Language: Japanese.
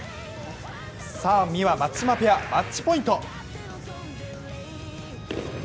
さあ美和・松島ペア、マッチポイント。